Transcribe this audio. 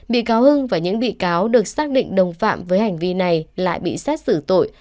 bị cáo hưng và những bị cáo được xác định đồng phạm với hành vi này lại bị xét xử tội